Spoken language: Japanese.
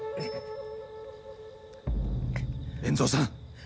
円蔵さん。